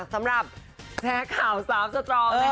สำหรับแท้ข่าว๓สตรอง